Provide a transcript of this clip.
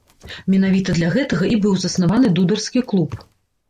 Менавіта для гэтага і быў заснаваны дударскі клуб.